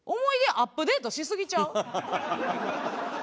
アップデートしすぎちゃう？